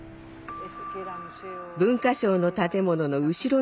文化省の建物の後ろ